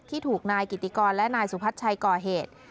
ถูกนายกิติกรและนายสุพัชชัยก่อเหตุ